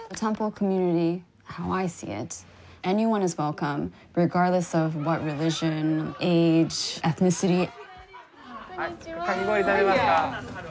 かき氷食べますか？